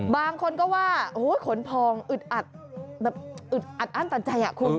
บางคนก็ว่าโอ้โฮขนพองอึดอัดอั้นตันใจ